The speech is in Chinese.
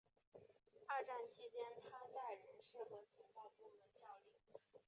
二战期间他在人事和情报部门效力。